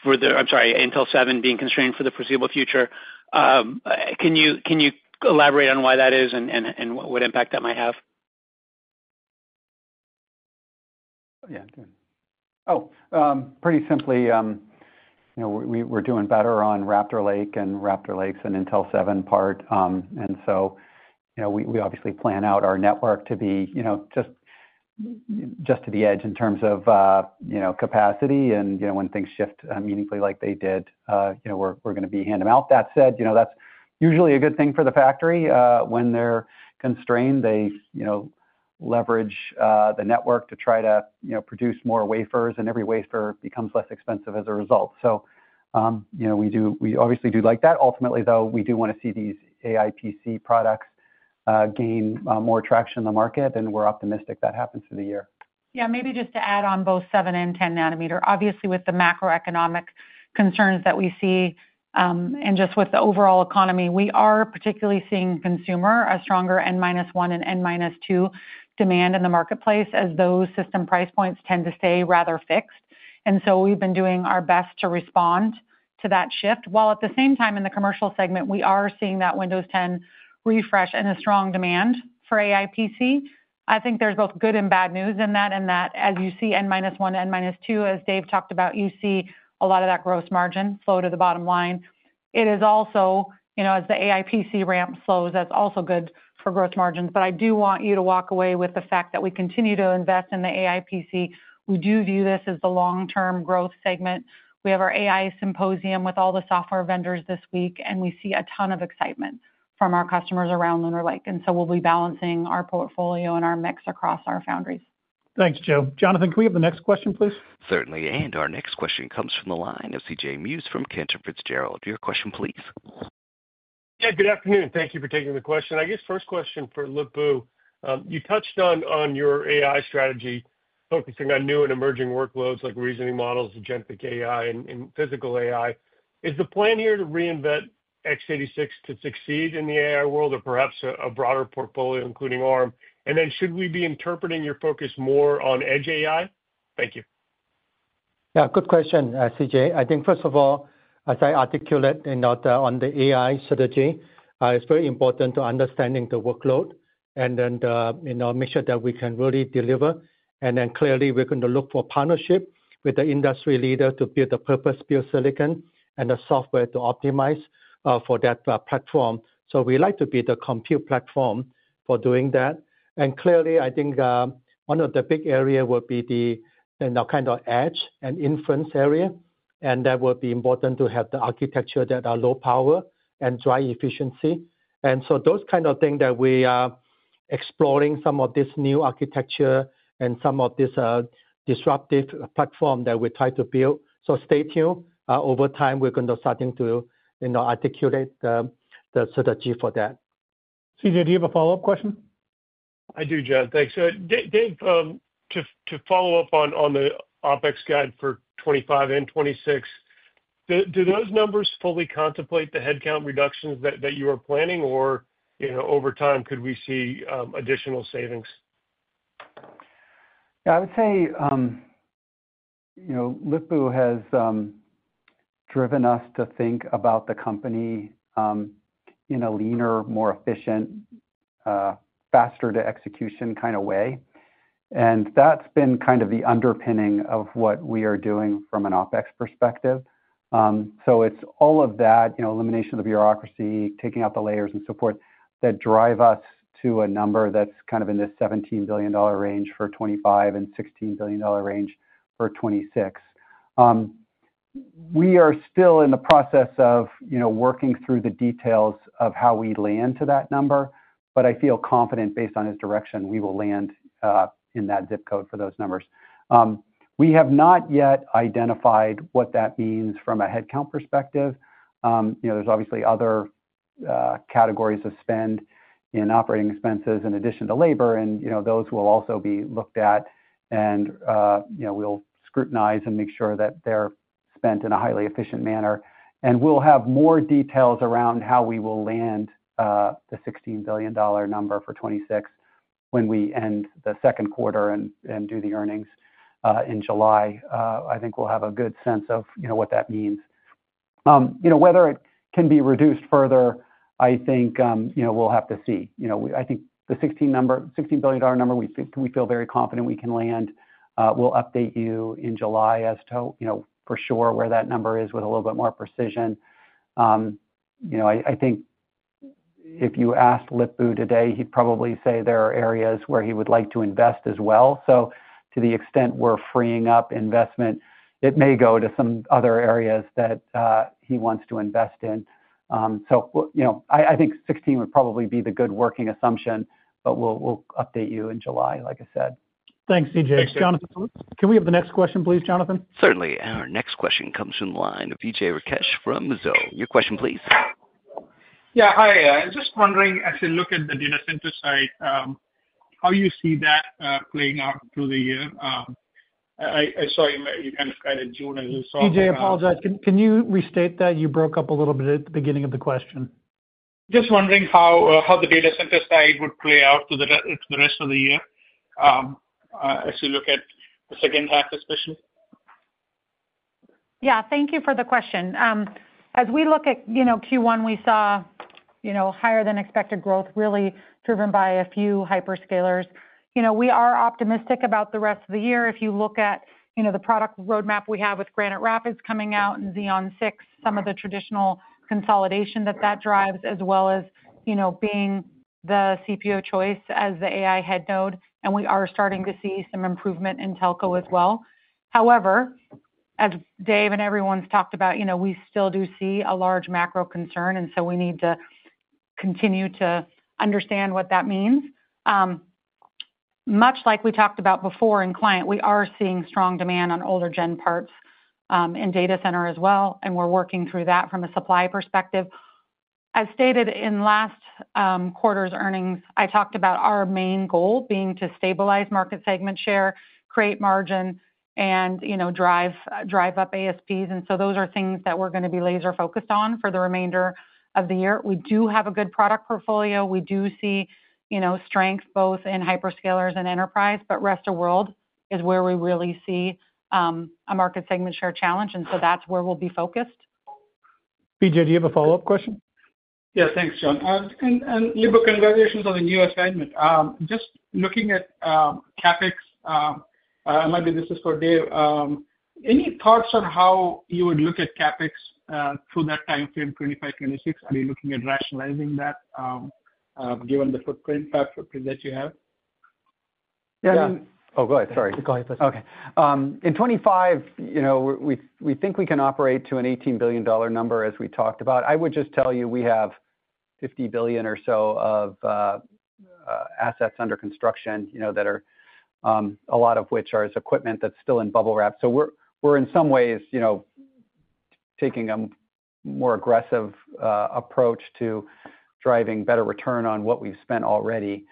S7: for the, I'm sorry, Intel 7 being constrained for the foreseeable future, uhm can you elaborate on why that is and what impact that might have?
S4: Yeah, good. Oh, pretty simply uhm, we're doing better on Raptor Lake and Raptor Lake's an Intel 7 part. Uhm and so we obviously plan out our network to be just to the edge in terms of capacity. When things shift meaningfully like they did, we're going to be handing out. That said, that's usually a good thing for the factory. When they're constrained, they you know leverage the network to try to produce more wafers, and every wafer becomes less expensive as a result. So we obviously do like that. Ultimately, though, we do want to see these AI PC products gain more traction in the market, and we're optimistic that happens through the year.
S8: Yeah, maybe just to add on both 7 and 10 nm. Obviously, with the macroeconomic concerns that we see and just with the overall economy, we are particularly seeing consumer a stronger N-1 and N-2 demand in the marketplace as those system price points tend to stay rather fixed. We have been doing our best to respond to that shift. At the same time, in the commercial segment, we are seeing that Windows 10 refresh and a strong demand for AI PCs. I think there's both good and bad news in that. As you see N-1, N-2, as Dave talked about, you see a lot of that gross margin flow to the bottom line. It is also, as the AI PC ramp slows, that's also good for gross margins. But I do want you to walk away with the fact that we continue to invest in the AI PC. We do view this as the long-term growth segment. We have our AI symposium with all the software vendors this week, and we see a ton of excitement from our customers around Lunar Lake. And so we'll be balancing our portfolio and our mix across our foundry.
S2: Thanks, Joe. Jonathan, can we have the next question, please?
S1: Certainly. Our next question comes from the line of CJ Muse from Cantor Fitzgerald. Your question, please.
S9: Yeah, good afternoon. Thank you for taking the question. I guess first question for Lip-Bu. You touched on your AI strategy focusing on new and emerging workloads like reasoning models, agentic AI, and physical AI. Is the plan here to reinvent x86 to succeed in the AI world or perhaps a broader portfolio, including ARM? Should we be interpreting your focus more on edge AI? Thank you.
S3: Yeah, good question, CJ. I think first of all, as I articulate on the AI strategy, it's very important to understand the workload and then make sure that we can really deliver. Clearly, we're going to look for partnership with the industry leader to build a purpose-built silicon and a software to optimize for that platform. We like to be the compute platform for doing that. Clearly, I think one of the big areas will be the kind of edge and inference area. That will be important to have the architecture that are low power and drive efficiency. S those kind of things that we are exploring, some of this new architecture and some of this disruptive platform that we try to build. So stay tuned. Over time, we're going to start to articulate the strategy for that.
S2: CJ, do you have a follow-up question?
S9: I do, John. Thanks. So Dave, to follow up on the OpEx guide for 2025 and 2026, do those numbers fully contemplate the headcount reductions that you are planning, or over time, could we see additional savings?
S4: Yeah, I would say uhm you know Lip-Bu has driven us to think about the company in a leaner, more efficient, faster-to-execution kind of way. And that's been kind of the underpinning of what we are doing from an OpEx perspective. So it's all of that elimination of the bureaucracy, taking out the layers, and so forth that drive us to a number that's kind of in the $17 billion range for 2025 and $16 billion range for 2026. We are still in the process of working through the details of how we land to that number. But I feel confident based on his direction, we will land in that zip code for those numbers. We have not yet identified what that means from a headcount perspective. There's obviously other categories of spend in operating expenses in addition to labor, and those will also be looked at. And we'll scrutinize and make sure that they are spent in a highly efficient manner. We will have more details around how we will land the $16 billion number for 2026 when we end the second quarter and do the earnings in July. I think we will have a good sense of you know what that means. Whether it can be reduced further, I think we will have to see. I think the $16 billion number, we feel very confident we can land. We will update you in July as to for sure where that number is with a little bit more precision. I think if you asked Lip-Bu today, he would probably say there are areas where he would like to invest as well. So to the extent we're freeing up investment, it may go to some other areas that he wants to invest in. I think sixteen would probably be the good working assumption, but we'll update you in July, like I said.
S2: Thanks, CJ. Can we have the next question, please, Jonathan?
S1: Certainly. Our next question comes from the line of Vijay Rakesh from Mizuho. Your question, please.
S10: Yeah, hi. I was just wondering, as you look at the data center side, how you see that playing out through the year? I saw you kind of got a June and then saw a little bit.
S2: CJ, apologize. Can you restate that? You broke up a little bit at the beginning of the question.
S10: Just wondering how the data center side would play out through the rest of the year as you look at the second half, especially.
S8: Yeah, thank you for the question. As we look at Q1, we saw higher than expected growth really driven by a few hyperscalers. You know we are optimistic about the rest of the year. If you look at you know the product roadmap we have with Granite Rapids coming out and Xeon 6, some of the traditional consolidation that that drives, as well as being the CPO choice as the AI head node. We are starting to see some improvement in telco as well. However, as Dave and everyone's talked about, you know we still do see a large macro concern, and we need to continue to understand what that means. Much like we talked about before in client, we are seeing strong demand on older gen parts in data center as well, and we're working through that from a supply perspective. As stated in last quarter's earnings, I talked about our main goal being to stabilize market segment share, create margin, and you know drive up ASPs. Those are things that we're going to be laser-focused on for the remainder of the year. We do have a good product portfolio. We do see you know strength both in hyperscalers and enterprise, but rest of world is where we really see um a market segment share challenge. That is where we'll be focused.
S2: CJ, do you have a follow-up question?
S10: Yeah, thanks, John. And Lip-Bu, congratulations on the new assignment. Uhm just looking at CapEx, and maybe this is for Dave, uhm any thoughts on how you would look at CapEx for that timeframe, 2025, 2026? Are you looking at rationalizing that given the footprint, that footprint that you have?
S4: Yeah. Oh, go ahead. Sorry. Go ahead. Okay. Um in 2025, you know we think we can operate to an $18 billion number, as we talked about. I would just tell you we have $50 billion or so of assets under construction you know that are a lot of which are as equipment that's still in bubble wrap. We are in some ways you know taking a more aggressive approach to driving better return on what we've spent already.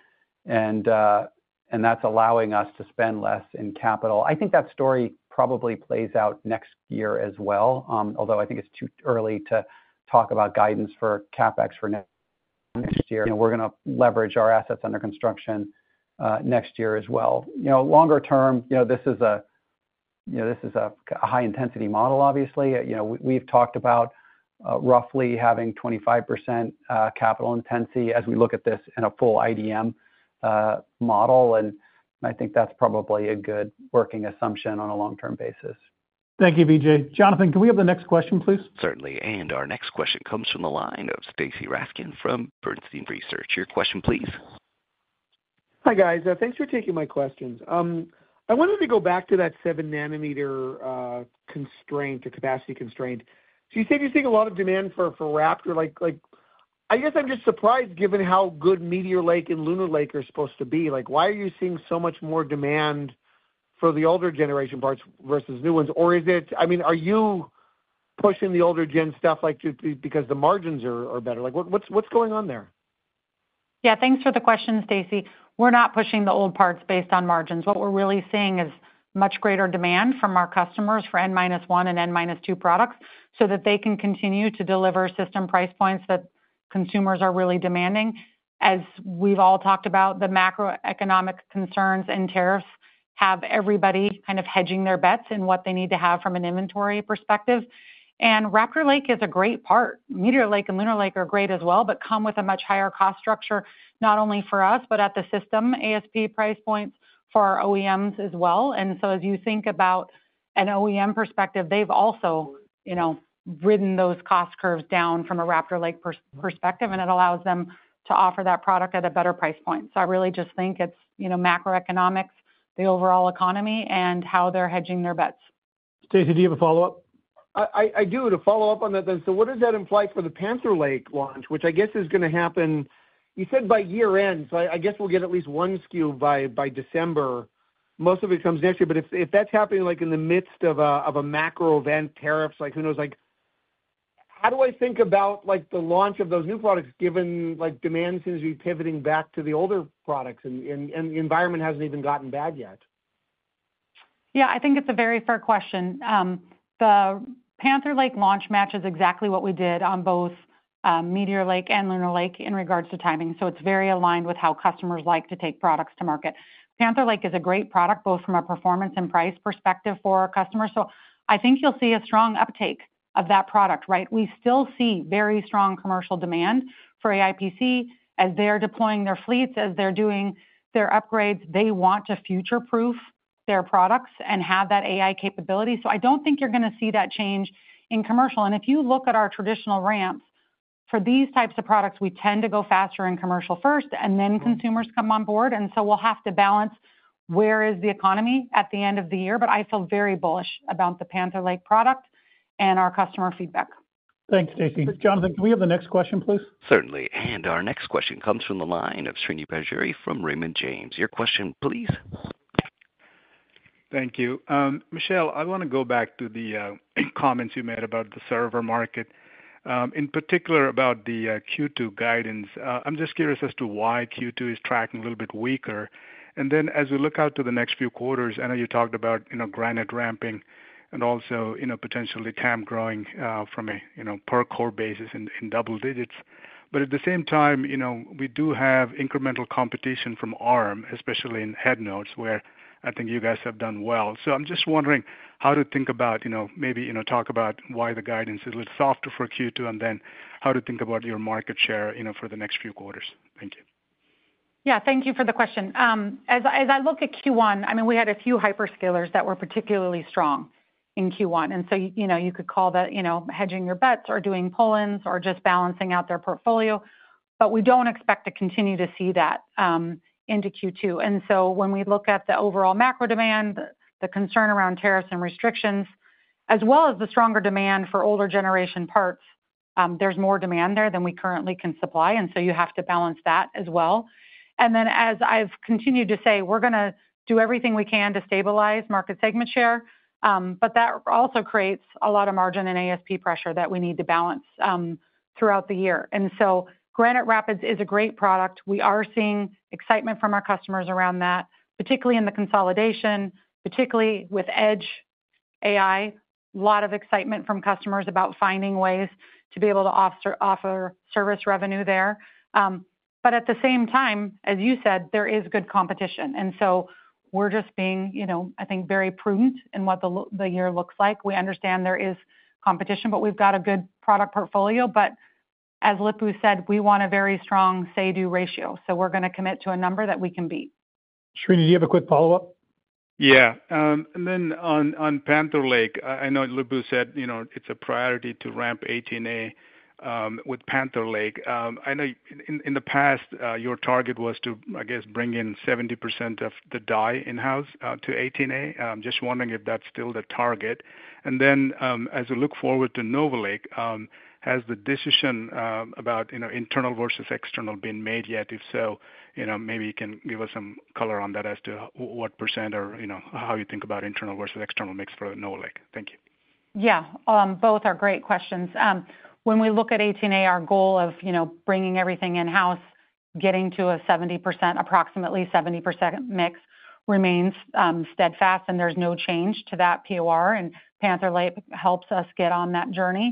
S4: And uh and that's allowing us to spend less in capital. I think that story probably plays out next year as well, uhm although I think it's too early to talk about guidance for CapEx for next year. We are going to leverage our assets under construction next year as well. You know longer term, this is a high-intensity model, obviously. We've talked about roughly having 25% capital intensity as we look at this in a full IDM model. And I think that's probably a good working assumption on a long-term basis.
S2: Thank you, Vijay. Jonathan, can we have the next question, please?
S1: Certainly. Our next question comes from the line of Stacy Rasgon from Bernstein Research. Your question, please.
S11: Hi, guys. Thanks for taking my questions. Um I wanted to go back to that 7 nm uh constraint or capacity constraint. You said you're seeing a lot of demand for Raptor. I guess I'm just surprised given how good Meteor Lake and Lunar Lake are supposed to be. Like why are you seeing so much more demand for the older generation parts versus new ones? I mean, are you pushing the older gen stuff because the margins are better? Like what's going on there?
S8: Yeah, thanks for the question, Stacy. We're not pushing the old parts based on margins. What we're really seeing is much greater demand from our customers for N-1 and N-2 products so that they can continue to deliver system price points that consumers are really demanding. As we've all talked about, the macroeconomic concerns and tariffs have everybody kind of hedging their bets in what they need to have from an inventory perspective. And Raptor Lake is a great part. Meteor Lake and Lunar Lake are great as well, but come with a much higher cost structure, not only for us, but at the system ASP price points for our OEMs as well. And as you think about an OEM perspective, they've also you know ridden those cost curves down from a Raptor Lake perspective, and it allows them to offer that product at a better price point. So I really just think it's you know macroeconomics, the overall economy, and how they're hedging their bets.
S2: Stacy, do you have a follow-up?
S11: I do. To follow up on that then, so what does that imply for the Panther Lake launch, which I guess is going to happen, you said by year-end, so I guess we'll get at least one SKU by December. Most of it comes next year. But if that's happening in the midst of a macro event, tariffs, who knows, how do I think about like the launch of those new products given like demand seems to be pivoting back to the older products and the environment hasn't even gotten bad yet?
S8: Yeah, I think it's a very fair question. Um the Panther Lake launch matches exactly what we did on both Meteor Lake and Lunar Lake in regards to timing. So it is very aligned with how customers like to take products to market. Panther Lake is a great product both from a performance and price perspective for our customers. So I think you'll see a strong uptake of that product, right? We still see very strong commercial demand for AI PCs as they're deploying their fleets, as they're doing their upgrades. They want to future-proof their products and have that AI capability. So I don't think you're going to see that change in commercial. And if you look at our traditional ramps, for these types of products, we tend to go faster in commercial first, and then consumers come on board. And so we we'll have to balance where is the economy at the end of the year. I feel very bullish about the Panther Lake product and our customer feedback.
S2: Thanks, Stacy. Jonathan, can we have the next question, please?
S1: Certainly. And our next question comes from the line of Srini Pajjuri from Raymond James. Your question, please.
S12: Thank you. Uhm Michelle, I want to go back to the comments you made about the server market, uhm in particular about the Q2 guidance. Ah I'm just curious as to why Q2 is tracking a little bit weaker. And then as we look out to the next few quarters, I know you talked you know about Granite Rapids ramping and also potentially TAM growing from a per core basis in double digits. But at the same time, you know we do have incremental competition from ARM, especially in head nodes, where I think you guys have done well. So I'm just wondering how to think about, maybe talk about why the guidance is a little softer for Q2 and then how to think about your market share you know for the next few quarters. Thank you.
S8: Yeah, thank you for the question. Um as I look at Q1, I mean, we had a few hyperscalers that were particularly strong in Q1. And so you know you could call that you know hedging your bets or doing pull-ins or just balancing out their portfolio. But we don't expect to continue to see that uhm into Q2. When we look at the overall macro demand, the concern around tariffs and restrictions, as well as the stronger demand for older generation parts, uhm there is more demand there than we currently can supply. You have to balance that as well. And then as I have continued to say, we are going to do everything we can to stabilize market segment share. Uhm that also creates a lot of margin and ASP pressure that we need to balance throughout the year. And so Granite Rapids is a great product. We are seeing excitement from our customers around that, particularly in the consolidation, particularly with edge AI, a lot of excitement from customers about finding ways to be able to offer service revenue there. Um but at the same time, as you said, there is good competition. We are just being, I think, very prudent in what the year looks like. We understand there is competition, but we have got a good product portfolio. But as Lip-Bu said, we want a very strong say-do ratio. So we are going to commit to a number that we can beat.
S2: Srini, do you have a quick follow-up?
S12: Yeah. Uhm and then on Panther Lake, I know Lip-Bu said it is a priority to ramp 18A um with Panther Lake. Um I know in the past, ah your target was to, I guess, bring in 70% of the die in-house to 18A. I am just wondering if that is still the target. And then as we look forward to Nova Lake, has the decision about internal versus external been made yet? If so, you know maybe you can give us some color on that as to what % or you know how you think about internal versus external mix for Nova Lake. Thank you.
S8: Yeah, um both are great questions. When we look at 18A, our goal of you know bringing everything in-house, getting to a 70%, approximately 70% mix remains um steadfast, and there's no change to that POR. Panther Lake helps us get on that journey.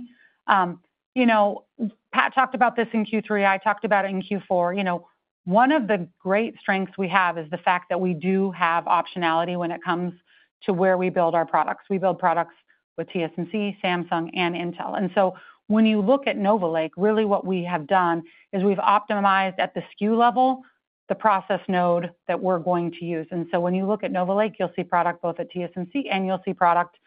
S8: Uhm you know Pat talked about this in Q3. I talked about it in Q4 you know. One of the great strengths we have is the fact that we do have optionality when it comes to where we build our products. We build products with TSMC, Samsung, and Intel. And so when you look at Nova Lake, really what we have done is we've optimized at the SKU level the process node that we're going to use. When you look at Nova Lake, you'll see product both at TSMC and you'll see product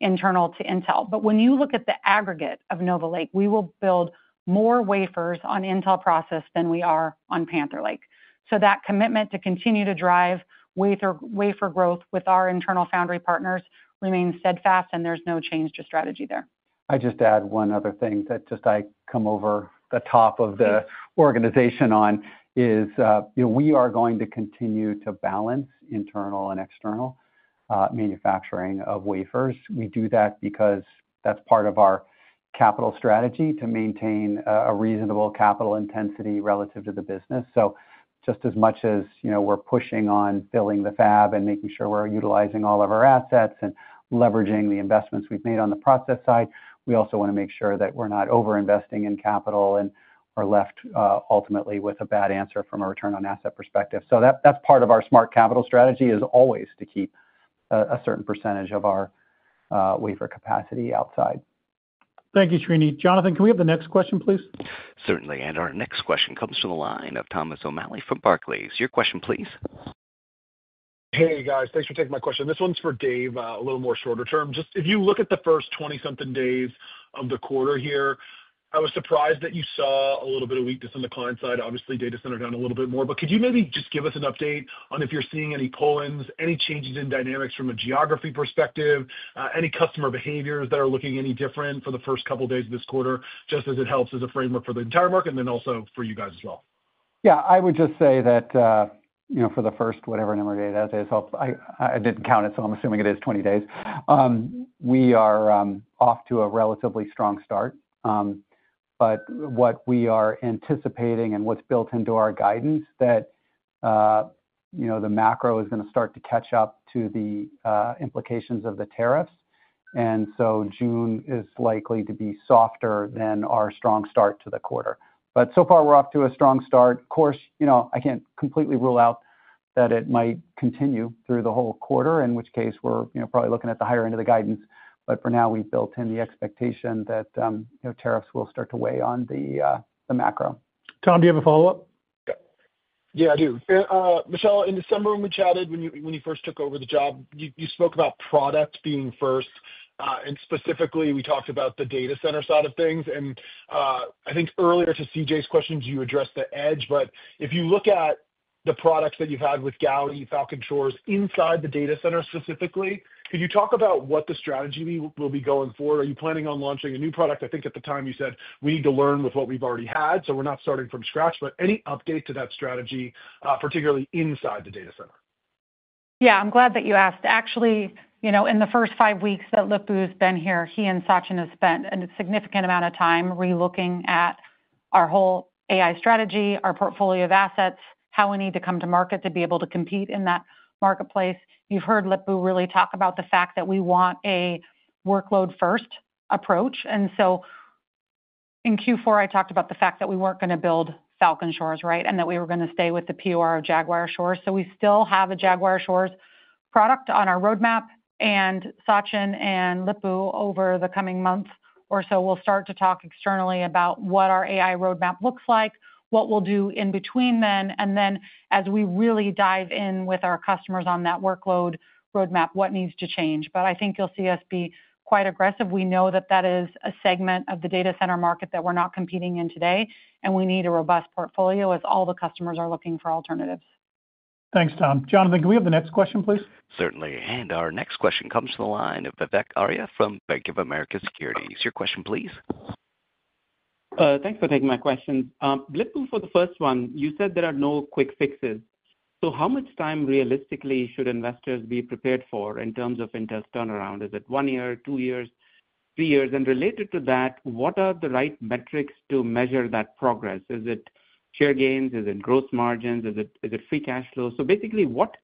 S8: internal to Intel. But when you look at the aggregate of Nova Lake, we will build more wafers on Intel process than we are on Panther Lake. So that commitment to continue to drive wafer growth with our internal foundry partners remains steadfast, and there's no change to strategy there.
S4: I just add one other thing that I come over the top of the organization on is we ah are going to continue to balance internal and external ah manufacturing of wafers. We do that because that's part of our capital strategy to maintain a reasonable capital intensity relative to the business. So just as much as we're pushing on filling the fab and making sure we're utilizing all of our assets and leveraging the investments we've made on the process side, we also want to make sure that we're not over-investing in capital and are left ultimately uh with a bad answer from a return on asset perspective. So that's part of our smart capital strategy, always to keep a certain percentage of our wafer capacity outside.
S2: Thank you, Srini. Jonathan, can we have the next question, please?
S1: Certainly. Our next question comes from the line of Thomas O'Malley from Barclays. Your question, please.
S13: Hey, guys. Thanks for taking my question. This one's for Dave, a little more shorter term. Just if you look at the first 20-something days of the quarter here, I was surprised that you saw a little bit of weakness on the client side. Obviously, data center down a little bit more. Could you maybe just give us an update on if you're seeing any pull-ins, any changes in dynamics from a geography perspective, any customer behaviors that are looking any different for the first couple of days of this quarter, just as it helps as a framework for the entire market and then also for you guys as well?
S4: Yeah, I would just say that ah for the first whatever number of days that is, I didn't count it, so I'm assuming it is 20 days. Uhm e are off to a relatively strong start. Uhm but what we are anticipating and what's built into our guidance is that ah you know the macro is going to start to catch up to the ah implications of the tariffs. And so June is likely to be softer than our strong start to the quarter. But so far, we're off to a strong start. Of course, I can't completely rule out that it might continue through the whole quarter, in which case we're probably looking at the higher end of the guidance. But for now, we've built in the expectation that tariffs will start to weigh on the macro.
S2: Tom, do you have a follow-up?
S13: Yeah, I do. Michelle, in December when we chatted, when you first took over the job, you spoke about product being first. Ah and specifically, we talked about the data center side of things. And I think earlier to CJ's question, you addressed the edge. If you look at the products that you've had with Gaudi, Falcon Shores inside the data center specifically, could you talk about what the strategy will be going forward? Are you planning on launching a new product? I think at the time you said, "We need to learn with what we've already had, so we're not starting from scratch." But any update to that strategy, particularly inside the data center?
S8: Yeah, I'm glad that you asked. Actually, you know in the first five weeks that Lip-Bu's been here, he and Sachin have spent a significant amount of time relooking at our whole AI strategy, our portfolio of assets, how we need to come to market to be able to compete in that marketplace. You've heard Lip-Bu really talk about the fact that we want a workload-first approach. And so in Q4, I talked about the fact that we weren't going to build Falcon Shores, right, and that we were going to stay with the POR of Jaguar Shores. We still have a Jaguar Shores product on our roadmap. Sachin and Lip-Bu over the coming month or so will start to talk externally about what our AI roadmap looks like, what we'll do in between then, and then as we really dive in with our customers on that workload roadmap, what needs to change. But I think you'll see us be quite aggressive. We know that that is a segment of the data center market that we're not competing in today, and we need a robust portfolio as all the customers are looking for alternatives.
S2: Thanks, Tom. Jonathan, can we have the next question, please?
S1: Certainly. Our next question comes from the line of Vivek Arya from Bank of America Securities. Your question, please.
S14: Ah thanks for taking my question. Lip-Bu, for the first one, you said there are no quick fixes. So how much time realistically should investors be prepared for in terms of Intel turnaround? Is it one year, two years, three years? And related to that, what are the right metrics to measure that progress? Is it share gains? Is it gross margins? Is it free cash flow? Basically, what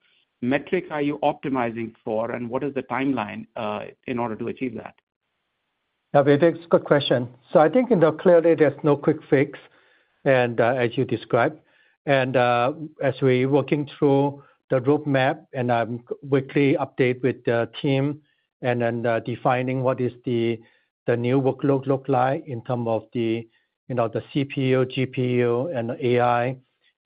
S14: metrics are you optimizing for, and what is the timeline ah in order to achieve that?
S3: Yeah, Vivek, it's a good question. So I think clearly there's no quick fix, and as you described. And ah as we're working through the roadmap and weekly update with the team and then defining what is the new workload looks like in terms of the you know the CPU, GPU, and AI,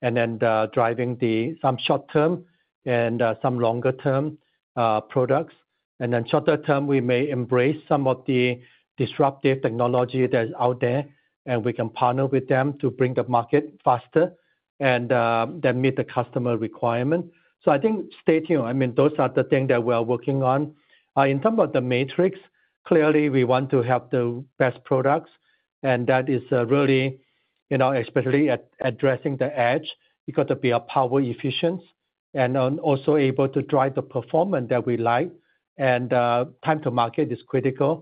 S3: and then driving some short-term and some longer-term ah products. In the shorter term, we may embrace some of the disruptive technology that's out there, and we can partner with them to bring the market faster and ah then meet the customer requirement. So I think stay tuned. I mean, those are the things that we are working on. Ah in terms of the matrix, clearly we want to have the best products. And that is really, you know especially addressing the edge, it has got to be power efficiency and also able to drive the performance that we like. And a time to market is critical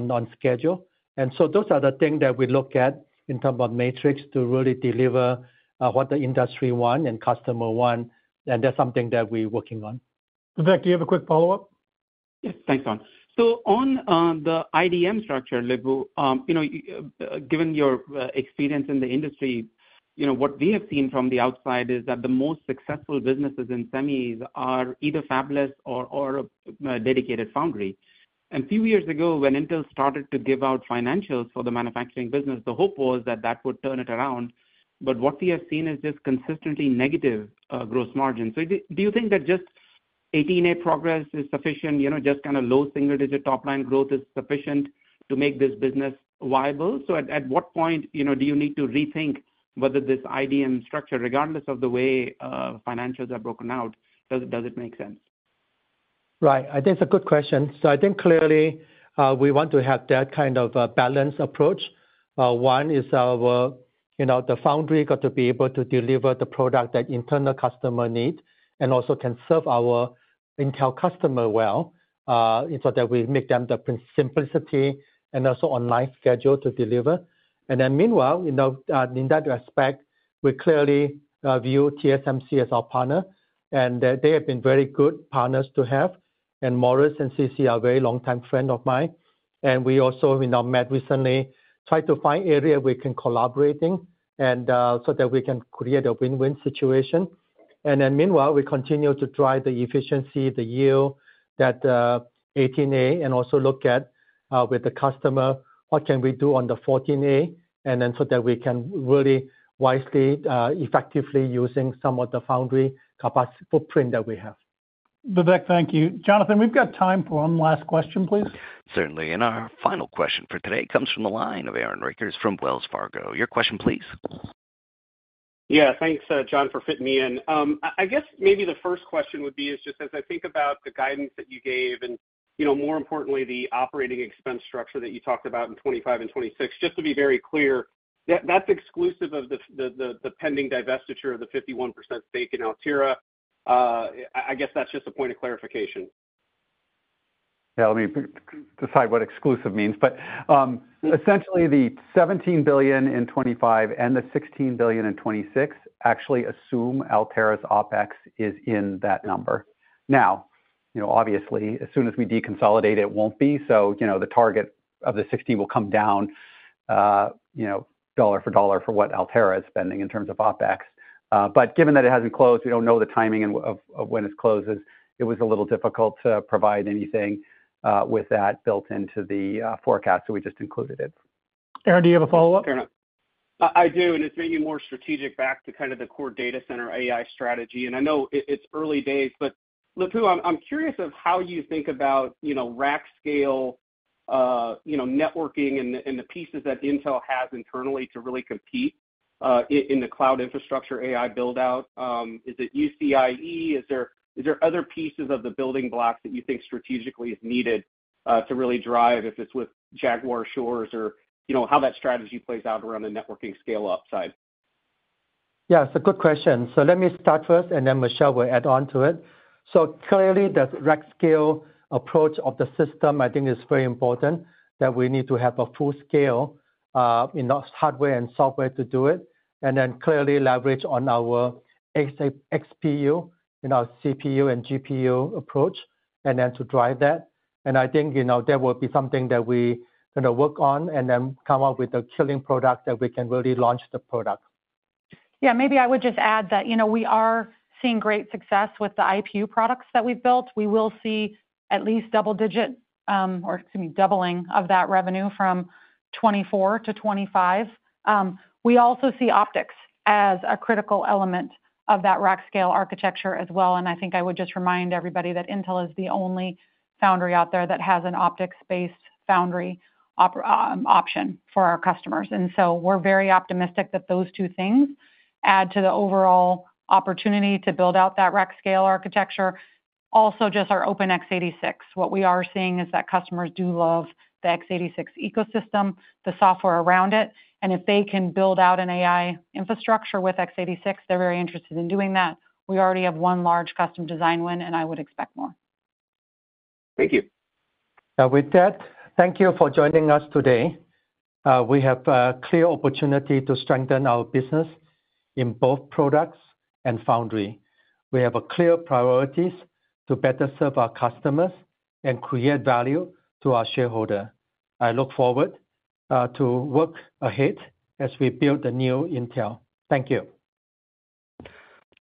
S3: on schedule. And so those are the things that we look at in terms of matrix to really deliver what the industry wants and customers want. That is something that we are working on.
S2: Vivek, do you have a quick follow-up?
S14: Yes, thanks, Tom. So on the IDM structure, Lip-Bu, given your experience in the industry, what we have seen from the outside is that the most successful businesses in semis are either fabless or dedicated foundry. A few years ago, when Intel started to give out financials for the manufacturing business, the hope was that that would turn it around. What we have seen is just consistently negative ah gross margins. Do you think that just 18A progress is sufficient? You know just kind of low single-digit top-line growth is sufficient to make this business viable? So at what point you know do you need to rethink whether this IDM structure, regardless of the way financials are broken out, does it make sense?
S3: Right, I think it's a good question. I think clearly ah we want to have that kind of balanced approach. One is our you know the foundry got to be able to deliver the product that internal customers need and also can serve our Intel customers well ah so that we make them the simplicity and also online schedule to deliver. And then meanwhile in that respect, we clearly view TSMC as our partner. And they have been very good partners to have. And Morris and C.C. are a very long-time friend of mine. And we also we met recently, tried to find areas we can collaborate in and ah so that we can create a win-win situation. And meanwhile, we continue to drive the efficiency, the yield, that 18A and also look at with the customer, what can we do on the 14A and then so that we can really wisely, effectively use some of the foundry footprint that we have.
S2: Vivek, thank you. Jonathan, we've got time for one last question, please.
S1: Certainly. Our final question for today comes from the line of Aaron Rakers from Wells Fargo. Your question, please.
S15: Yeah, thanks, John, for fitting me in. I guess maybe the first question would be just as I think about the guidance that you gave and more importantly, the operating expense structure that you talked about in 2025 and 2026, just to be very clear, that's exclusive of the pending divestiture of the 51% stake in Altera. Ah I guess that's just a point of clarification.
S4: Yeah, let me decide what exclusive means. But um essentially, the $17 billion in 2025 and the $16 billion in 2026 actually assume Altera's OpEx is in that number. Now, you know obviously, as soon as we deconsolidate, it won't be. So you know the target of the $16 billion will come down ah you know dollar for dollar for what Altera is spending in terms of OpEx. Ah but given that it hasn't closed, we don't know the timing of when it closes. It was a little difficult to provide anything ah with that built into the forecast, so we just included it.
S2: Aaron, do you have a follow-up?
S15: I do. It's maybe more strategic back to kind of the core data center AI strategy. And I know it's early days, but Lip-Bu, I'm curious of how you think about you know rack scale ah networking and the pieces that Intel has internally to really compete ah in the cloud infrastructure AI build-out. Uhm is it UCIe? Is there other pieces of the building blocks that you think strategically is needed to really drive if it's with Jaguar Shores or you know how that strategy plays out around the networking scale upside?
S3: Yeah, it's a good question. So let me start first, and then Michelle will add on to it. So clearly, the rack scale approach of the system, I think, is very important that we need to have a full scale ah in hardware and software to do it. And then clearly leverage on our XPU, and our CPU, and GPU approach and then to drive that. And I think that will be something that we kind of work on and then come up with a killing product that we can really launch the product.
S8: Yeah, maybe I would just add that we are seeing great success with the IPU products that we've built. We will see at least double-digit or, uhm excuse me, doubling of that revenue from 2024 to 2025. Uhm we also see optics as a critical element of that rack scale architecture as well. And I think I would just remind everybody that Intel is the only foundry out there that has an optics-based foundry option for our customers. And so we're very optimistic that those two things add to the overall opportunity to build out that rack scale architecture. Also, just our Open x86. What we are seeing is that customers do love the x86 ecosystem, the software around it. And if they can build out an AI infrastructure with x86, they are very interested in doing that. We already have one large custom design win, and I would expect more.
S15: Thank you.
S3: With that, thank you for joining us today. Ah we have a clear opportunity to strengthen our business in both products and foundry. We have clear priorities to better serve our customers and create value to our shareholders. I look forward to work ahead as we build a new Intel. Thank you.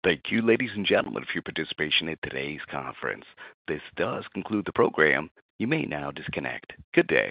S1: Thank you, ladies and gentlemen, for your participation in today's conference. This does conclude the program. You may now disconnect. Good day.